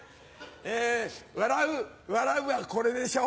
え笑う笑うはこれでしょ？